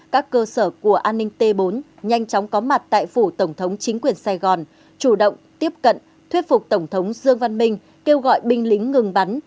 các cơ sở của an ninh t bốn nhanh chóng có mặt tại phủ tổng thống chính quyền sài gòn chủ động tiếp cận thuyết phục tổng thống dương văn minh kêu gọi binh lính ngừng bắn